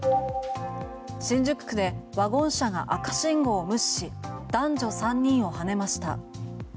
新宿区でワゴン車が赤信号を無視し男女３人をはねました。